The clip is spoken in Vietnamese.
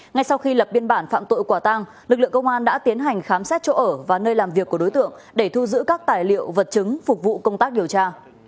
ngay sau khi lập biên bản phạm tội quả tang lực lượng công an đã tiến hành khám xét chỗ ở và nơi làm việc của đối tượng để thu giữ các tài liệu vật chứng phục vụ công tác điều tra